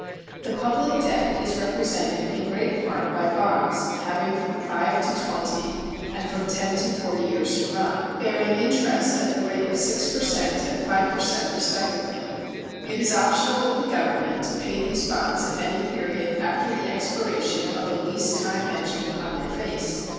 The public debt is represented in great part by bonds having from five to twenty and from ten to forty years to run, bearing interest at the rate of 6 per cent and 5 per cent, respectively. It is optional with the Government to pay these bonds at any period after the expiration of the least time mentioned upon their face.